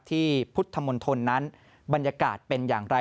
ที่พุทธมณฑลนั้นบรรยากาศเป็นอย่างไร